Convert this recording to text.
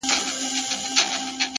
• زما يتيـمي ارواح تـه غـــــوښـتې خـو،